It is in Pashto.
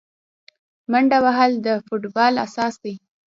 منډه وهل د فوټبال اساس دی.